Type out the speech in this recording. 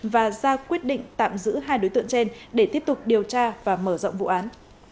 và ra quyết định tạm giữ hai đối tượng trên để tiếp tục điều tra và mở rộng vụ án